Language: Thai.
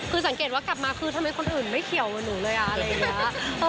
คือสังเกตว่ากลับมาคือทำไมคนอื่นไม่เกี่ยวกับหนูเลยอะไรอย่างนี้